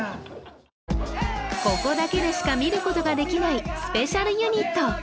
ここだけでしか見ることができないスペシャルユニット